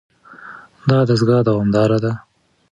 دا دستګاه دوامداره ده.